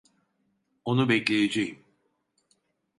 Onu bekleyeceğim.